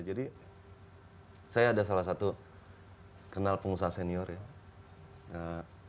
jadi saya ada salah satu kenal pengusaha senior ya